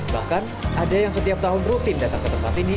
bahkan ada yang setiap tahun rutin datang ke tempat ini